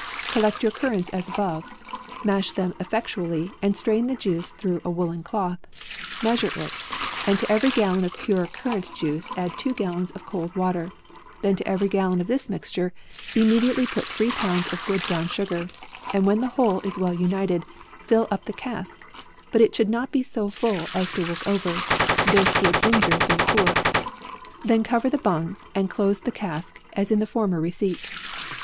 Collect your currants as above, mash them effectually, and strain the juice through a woollen cloth ; measure it, and to every gal lon of pure currant juice, add two gallons of cold water, then to every gallon of this mix ture immediately put three pounds of good brown sugar; and when the whole is well united, fill up the cask, but it should not be so full as to work over; this would injure the liquor. Then cover the bung, and close the cask as in the former receipt.